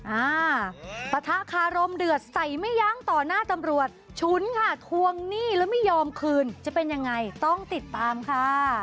อ่าปะทะคารมเดือดใส่ไม่ยั้งต่อหน้าตำรวจฉุนค่ะทวงหนี้แล้วไม่ยอมคืนจะเป็นยังไงต้องติดตามค่ะ